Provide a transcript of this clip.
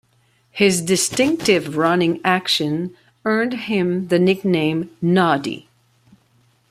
His distinctive running action earned him the nickname "Noddy".